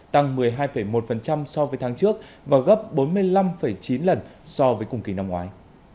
tăng một mươi hai một so với tháng trước và gấp bốn mươi năm chín lần so với cùng kỳ năm ngoái